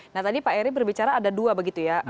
nah tadi pak eri berbicara ada dua begitu ya